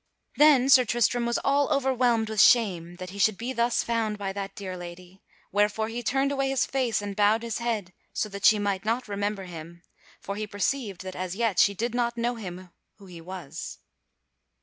Then Sir Tristram was all overwhelmed with shame that he should be thus found by that dear lady; wherefore he turned away his face and bowed his head so that she might not remember him, for he perceived that as yet she did not know him who he was.